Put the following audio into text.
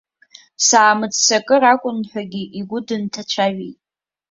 Саамыццакыр акәын ҳәагьы игәы дынҭацәажәеит.